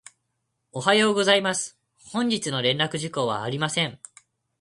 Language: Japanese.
おはようございます。本日の連絡事項はありません。